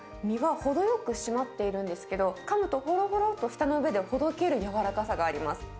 身は程よく締まっているんですけど、かむとほろほろっと、舌の上でほどける柔らかさがあります。